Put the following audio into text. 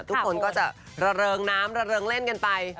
ทุกคนก็จะระเริงน้ำระเริงเล่นกันไป